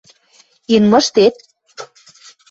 – Ин мыштет?